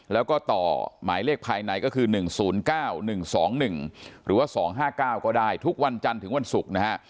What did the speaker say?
แล้วก็ต่อหมายเลขภายในก็คือหนึ่งศูนย์เก้าหนึ่งสองหนึ่งหรือว่าสองห้าเก้าก็ได้ทุกวันจันทร์ถึงวันศุกร์นะฮะ